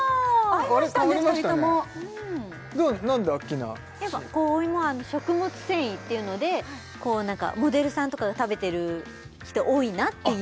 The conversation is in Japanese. アッキーナお芋食物繊維っていうのでモデルさんとかが食べてる人多いなっていう